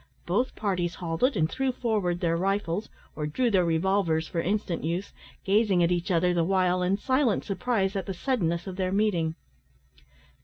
Both parties halted, and threw forward their rifles, or drew their revolvers for instant use, gazing at each other the while in silent surprise at the suddenness of their meeting.